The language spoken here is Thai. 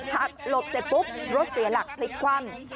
หักหลบเสร็จปุ๊บรถเสียหลักพลิกคว่ำ